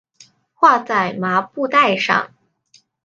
画在麻布袋上